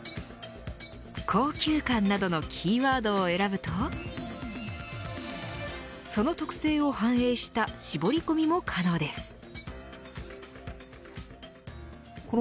高級感などのキーワードを選ぶとその特性を反映した絞り込みも可能です。